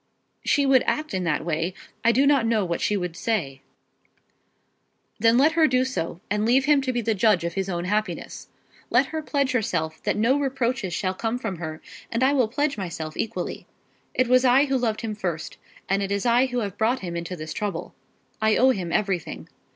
"She would act in that way. I do not know what she would say." "Then let her do so, and leave him to be the judge of his own happiness. Let her pledge herself that no reproaches shall come from her, and I will pledge myself equally. It was I who loved him first, and it is I who have brought him into this trouble. I owe him everything.